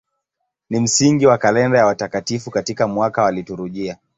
Ni msingi wa kalenda ya watakatifu katika mwaka wa liturujia.